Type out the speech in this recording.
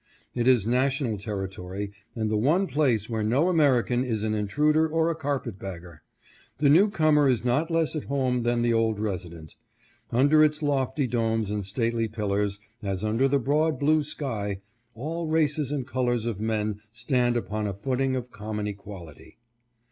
It is national territory, and the one place where no American is an intruder or a carpet bagger. The new comer is not less at home than the old resident. Under its lofty domes and stately pillars, as under the broad blue sky, all races and colors of men stand upon a footing of common equality.